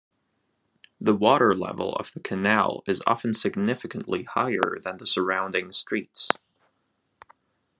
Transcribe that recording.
The water level of the canal is often significantly higher than the surrounding streets.